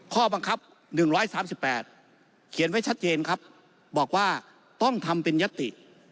ข้อบังคับ๑๓๘เขียนไว้ชัดเจนครับบอกว่าต้องทำเป็นยติ